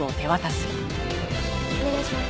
お願いします。